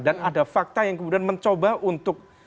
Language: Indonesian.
dan ada fakta yang kemudian mencoba untuk